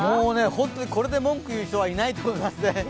本当にこれで文句を言う人はいないと思いますね。